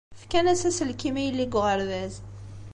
Fkan-as aselkim i yelli deg uɣerbaz.